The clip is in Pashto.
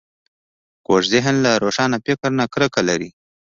کوږ ذهن له روښان فکر نه کرکه لري